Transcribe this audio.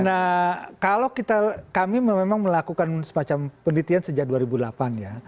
nah kalau kami memang melakukan semacam penelitian sejak dua ribu delapan ya